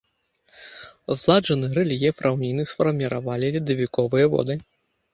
Згладжаны рэльеф раўніны сфармавалі ледавіковыя воды.